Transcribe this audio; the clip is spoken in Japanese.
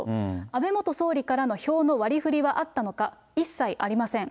安倍元総理からの票の割り振りはあったのか、一切ありません。